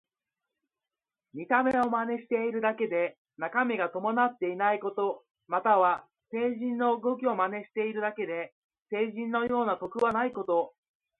見た目を真似しているだけで中身が伴っていないこと。または、聖人の動きを真似しているだけで聖人のような徳はないこと。